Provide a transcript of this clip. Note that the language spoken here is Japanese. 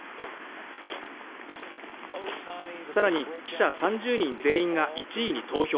更に記者３０人全員が１位に投票。